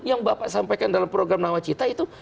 yang bapak sampaikan dalam program nawa cita itu